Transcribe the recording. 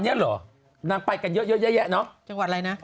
จังหวัดอะไรนะ